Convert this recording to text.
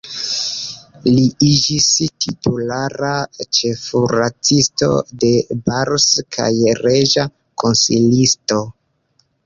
Li iĝis titulara ĉefkuracisto de Bars kaj reĝa konsilisto.